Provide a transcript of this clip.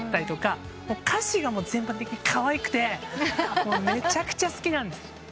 歌詞が全般的にかわいくてめちゃくちゃ好きなんです。